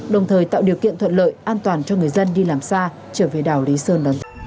đồng thời tạo điều kiện thuận lợi an toàn cho người dân đi làm xa trở về đảo lý sơn